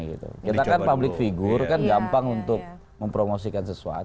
kita kan public figure kan gampang untuk mempromosikan sesuatu